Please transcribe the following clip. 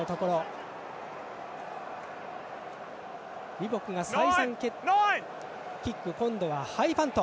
リボックのキックは今度はハイパント。